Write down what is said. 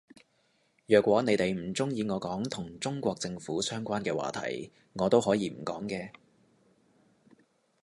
若果你哋唔鍾意我講同中國政府相關嘅話題我都可以唔講嘅